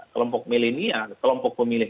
kelompok milenial kelompok pemilih